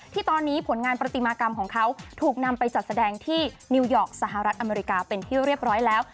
ที่ตอนนี้ผลงานปฏิมากรรมของเขาถูกนำไปจัดแสดงที่นิวยอร์กสหรัฐอเมริกาเป็นที่เรียบร้อยแล้ว